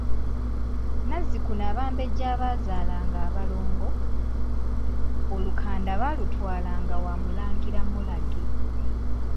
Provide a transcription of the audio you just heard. Nazikuno Abambejja abaazaalanga abalongo, olukanda baalutwalanga wa Mulangira Mulage.